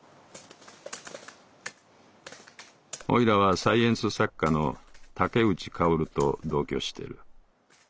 「おいらはサイエンス作家の竹内薫と同居してる。